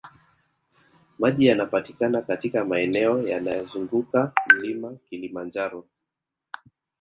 Maji yanapatikana katika maeneo yanayozunguka mlima kilimanjaro